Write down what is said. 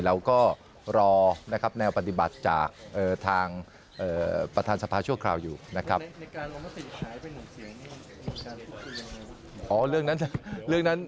เราก็รอนะครับแนวปฏิบัติจากทางประธานสภาชั่วคราวอยู่นะครับ